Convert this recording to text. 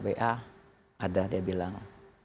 wa ada dia bilang